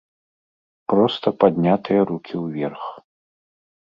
Проста паднятыя рукі ўверх.